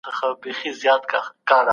کورنۍ د ماشوم لومړنۍ مدرسه ده.